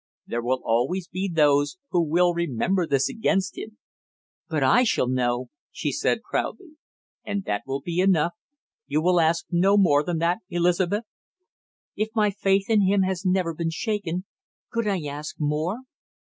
There will always be those who will remember this against him." "But I shall know!" she said proudly. "And that will be enough you will ask no more than that, Elizabeth?" "If my faith in him has never been shaken, could I ask more?"